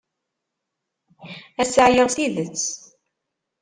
Ass-a, ɛyiɣ s tidet.